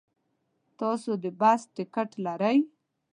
تاسو د بس ټکټ لرئ؟